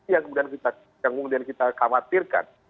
yang kemudian kita ganggu dan kita khawatirkan